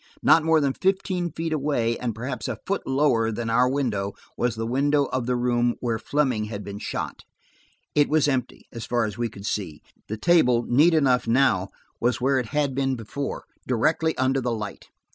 Not more than fifteen feet away, and perhaps a foot lower than our window, was the window of the room where Fleming had been killed. It was empty, as far as we could see; the table, neat enough now, was where it had been before, directly under the light.